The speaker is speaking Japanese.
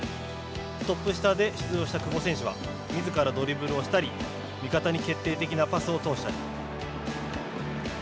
トップ下で出場した久保選手はみずからドリブルをしたり味方に決定的なパスを通したり。